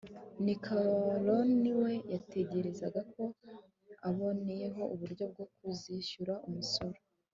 nikanori we, yatekerezaga ko aboneyeho uburyo bwo kuzishyura umusoro